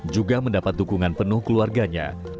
juga mendapat dukungan penuh keluarganya